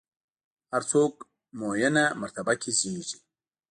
هر څوک معینه مرتبه کې زېږي.